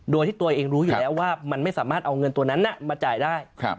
โดยที่ตัวเองรู้อยู่แล้วว่ามันไม่สามารถเอาเงินตัวนั้นมาจ่ายได้